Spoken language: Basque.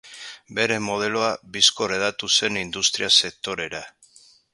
Bere modeloa bizkor hedatu zen industria-sektorera.